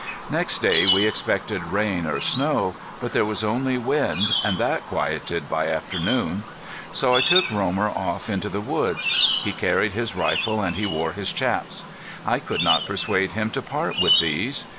Next day we expected rain or snow. But there was only wind, and that quieted by afternoon. So I took Romer off into the woods. He carried his rifle and he wore his chaps. I could not persuade him to part with these.